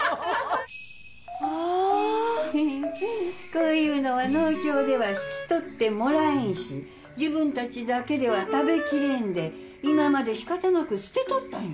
こういうのは農協では引き取ってもらえんし自分たちだけでは食べきれんで今まで仕方なく捨てとったんよ。